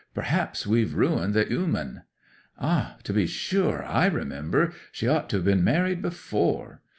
Perhaps we've ruined the 'ooman!" '"Ah—to be sure—I remember! She ought to have been married before."